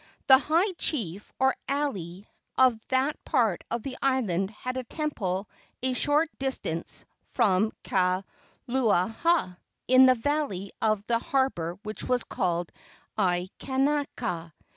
The high chief, or alii, of that part of the island had a temple a short distance from Kaluaaha, in the valley of the harbor which was called Aikanaka.